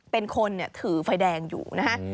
เป็นคนถือไฟแดงอยู่นะฮะ